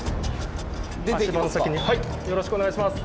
よろしくお願いします。